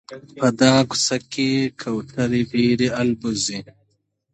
په دغه کوڅه کي کوتري ډېري البوځي.